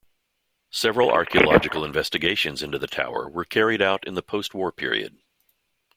Several archaeological investigations into the tower were carried out in the post war period.